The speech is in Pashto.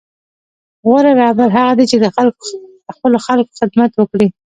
غوره رهبر هغه دی چې د خپلو خلکو خدمت وکړي.